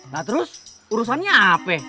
nah terus urusannya apa